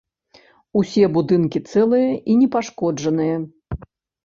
Усе будынкі цэлыя і непашкоджаныя.